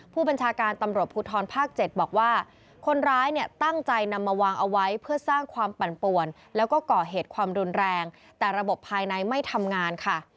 ผู้บัญชาการตำรวจภูทรภาค๗บอกว่าคนร้ายเนี่ยตั้งใจนำมาวางเอาไว้เพื่อสร้างความปั่นป่วนแล้วก็ก่อเหตุความรุนแรงแต่ระบบภายในไม่ทำงานค่ะ